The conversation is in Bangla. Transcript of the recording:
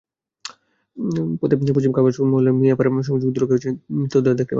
পথে পশ্চিম খাবাসপুর মহল্লার মিয়াপাড়া সংযোগ সড়কে দুজনের নিথর দেহ দেখতে পান।